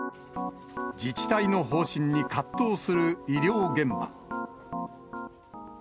自治体の方針に葛藤する医療現場。